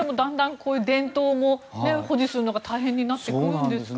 こういう伝統も保持するのが大変になってくるんですかね。